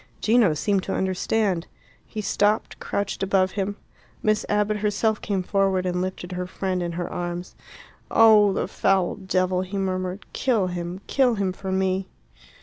Gino seemed to understand. He stopped, crouched above him. Miss Abbott herself came forward and lifted her friend in her arms. "Oh, the foul devil!" he murmured. "Kill him! Kill him for me."